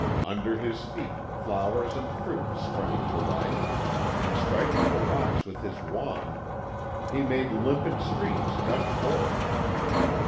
Under his feet flowers and fruit sprang to life, and striking the rocks with his wand he made limpid streams gush forth.